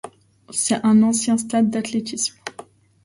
C'est un ancien stade d'athlétisme.